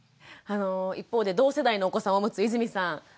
あの一方で同世代のお子さんを持つ泉さん